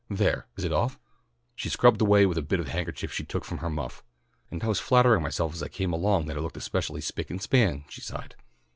There! Is it off?" She scrubbed away with a bit of a handkerchief she took from her muff. "And I was flattering myself as I came along that I looked especially spick and span," she sighed.